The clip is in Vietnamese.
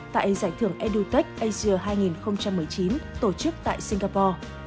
tại giải thưởng edutech asia hai nghìn một mươi chín tổ chức tại singapore